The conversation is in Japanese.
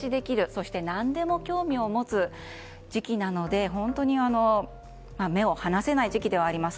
そして何でも興味を持つ時期なので本当に目を離せない時期ではあります。